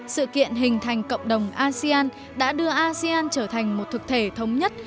sự kiện hình thành cộng đồng asean đã đưa asean trở thành một thực thể thống nhất